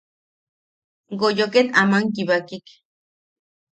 Goyo ket aman kibakek.